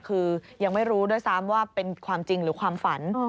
คือยังไม่รู้ด้วยซ้ำว่าเป็นความจริงหรือความฝัน